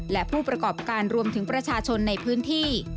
และผู้ประกอบการรวมถึงประชาชนในพื้นที่